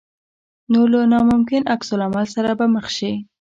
نو له ناممکن عکس العمل سره به مخ شې.